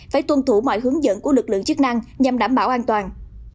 phải tuân thủ mọi hướng dẫn của lực lượng chức năng nhằm đảm bảo an toàn